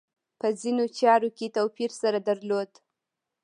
په ځینو چارو کې توپیر سره درلود.